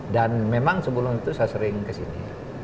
dan memang sebelum itu saya sering kesini